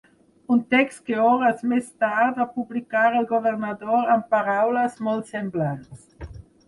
Un text que hores més tard va publicar el governador amb paraules molt semblants.